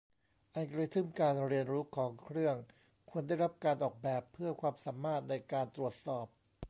อัลกอริทึมการเรียนรู้ของเครื่องควรได้รับการออกแบบเพื่อความสามารถในการตรวจสอบ